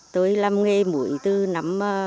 tôi làm nghề muối từ năm